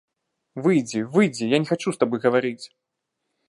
Выйдзі, выйдзі, я не хачу з табой гаварыць.